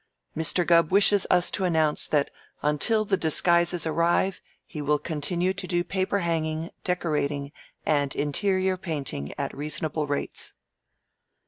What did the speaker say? Mr. Gubb wishes us to announce that until the disguises arrive he will continue to do paper hanging, decorating, and interior painting at reasonable rates."